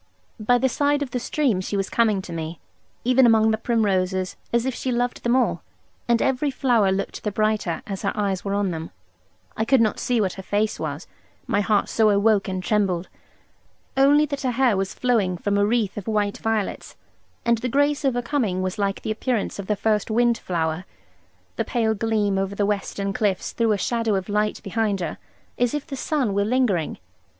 By the side of the stream she was coming to me, even among the primroses, as if she loved them all; and every flower looked the brighter, as her eyes were on them, I could not see what her face was, my heart so awoke and trembled; only that her hair was flowing from a wreath of white violets, and the grace of her coming was like the appearance of the first wind flower. The pale gleam over the western cliffs threw a shadow of light behind her, as if the sun were lingering.